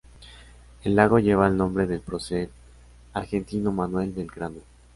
El lago lleva el nombre del prócer argentino Manuel Belgrano.